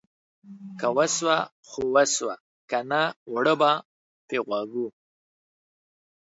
که وسوه خو وسوه ، که نه اوړه به په واغږو.